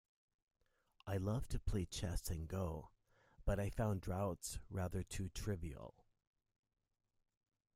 I love to play chess and go, but I find draughts rather too trivial